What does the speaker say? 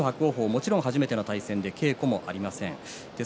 もちろん初めての対戦で稽古もありません。